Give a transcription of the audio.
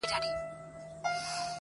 د طبیعت قانونمندي تجربه کولای